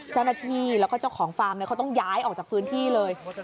เจ้าหน้าที่แล้วก็เจ้าของฟาร์มเขาต้องย้ายออกจากพื้นที่เลย